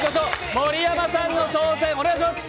盛山さん、お願いします。